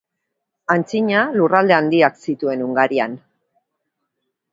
Antzina, lurralde handiak zituen Hungarian.